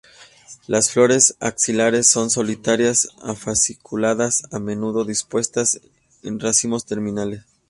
Las flores, axilares, son solitarias o fasciculadas, a menudo dispuestas en racimos terminales.